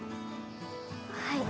はい。